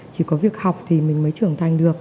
chỉ có việc học thì mình mới trưởng thành được